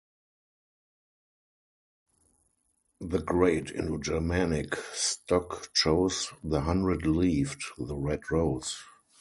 The great Indo-Germanic stock chose the hundred-leaved, the red rose.